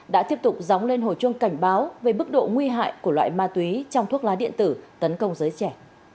đã tiếp tục dóng lên hồi chuông cảnh báo về mức độ nguy hại của loại ma túy trong thuốc lá điện tử tấn công giới trẻ